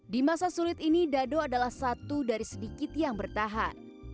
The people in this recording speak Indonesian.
di masa sulit ini dado adalah satu dari sedikit yang bertahan